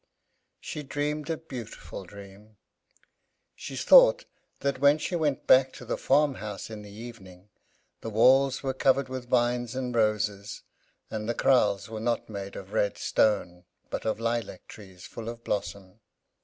She dreamed a beautiful dream. She thought that when she went back to the farmhouse in the evening, the walls were covered with vines and roses, and the kraals were not made of red stone, but of lilac trees full of blossom.